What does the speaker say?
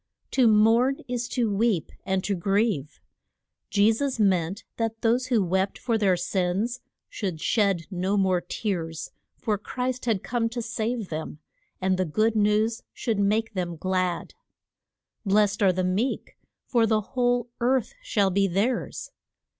To mourn is to weep, and to grieve. Je sus meant that those who wept for their sins should shed no more tears, for Christ had come to save them, and the good news should make them glad. Blest are the meek, for the whole earth shall be theirs.